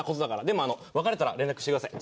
でも別れたら連絡してください。